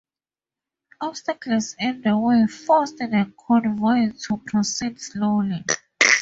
Obstacles in the way forced the convoy to proceed slowly.